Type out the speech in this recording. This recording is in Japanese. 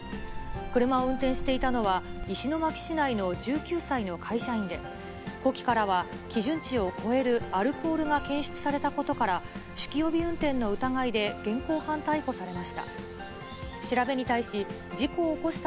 車を運転していたのは石巻市内の１９歳の会社員で、呼気からは基準値を超えるアルコールが検出されたことから、酒気帯び運転の疑いで現行犯逮捕されました。